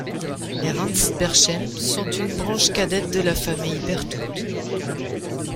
Les Ranst-Berchem sont une branche cadette de la famille Berthout.